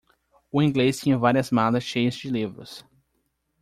O inglês tinha várias malas cheias de livros.